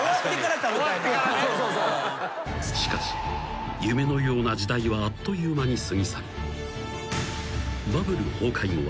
［しかし夢のような時代はあっという間に過ぎ去り］